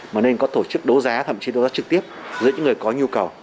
mà nên có tổ chức đấu giá thậm chí đấu giá trực tiếp giữa những người có nhu cầu